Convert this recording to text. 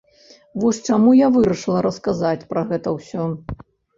Вось чаму я вырашыла расказаць пра гэта ўсё.